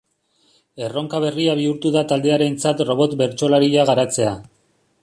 Erronka berria bihurtu da taldearentzat robot bertsolaria garatzea.